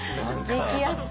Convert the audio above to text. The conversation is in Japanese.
激アツ。